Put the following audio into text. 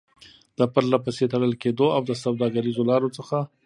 د پرلپسې تړل کېدو او د سوداګريزو لارو څخه